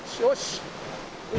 よし！